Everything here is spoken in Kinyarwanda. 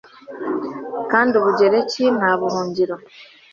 Kandi Ubugereki nta buhungiro